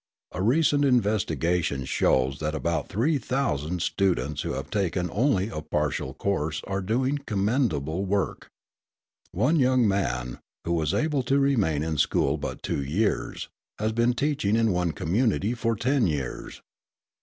A recent investigation shows that about 3,000 students who have taken only a partial course are doing commendable work. One young man, who was able to remain in school but two years, has been teaching in one community for ten years.